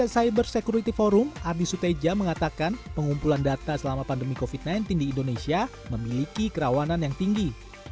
cyber security forum ardi suteja mengatakan pengumpulan data selama pandemi covid sembilan belas di indonesia memiliki kerawanan yang tinggi